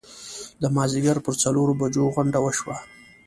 د مازیګر پر څلورو بجو غونډه وشوه.